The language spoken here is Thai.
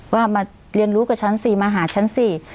ว่ามาเรียนรู้กับฉันสิมาหาฉันสิ